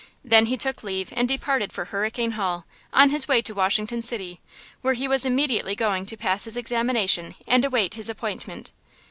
Then he took leave and departed for Hurricane Hall, on his way to Washington City, where he was immediately going to pass his examination and await his appointment.